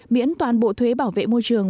miễn toàn bộ thuế bảo vệ môi trường